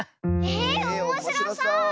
えおもしろそう！